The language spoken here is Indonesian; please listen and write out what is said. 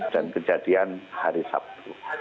dan kejadian hari sabtu